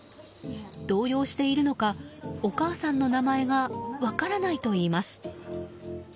動揺しているのかお母さんの名前が分からないといいます。